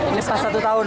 ini pas satu tahun